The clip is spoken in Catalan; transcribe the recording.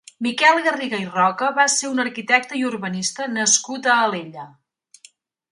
Miquel Garriga i Roca va ser un arquitecte i urbanista nascut a Alella.